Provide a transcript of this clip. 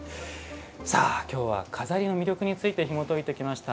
さあ今日は錺の魅力についてひもといてきました。